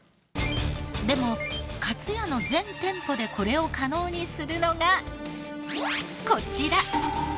でもかつやの全店舗でこれを可能にするのがこちら。